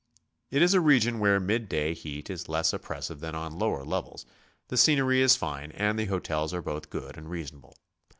It is a region where mid day heat is less oppressive than on lower levels, the scenery is fine, and the hotels are both good and reasonable.